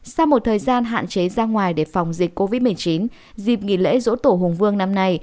sau một thời gian hạn chế ra ngoài để phòng dịch covid một mươi chín dịp nghỉ lễ dỗ tổ hùng vương năm nay